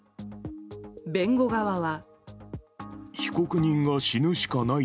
弁護側は。